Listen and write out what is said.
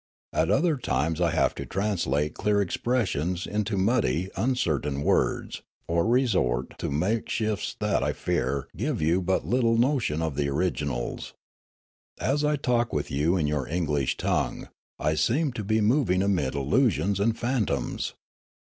At other times I have to translate clear expressions into muddy, uncertain words, or to resort to makeshifts that, I fear, give you but little notion of the originals. As I talk with you in your English tongue, I seem to be moving amid illusions and phantoms.